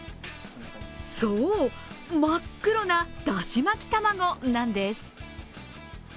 そう、真っ黒なだし巻き卵なんです。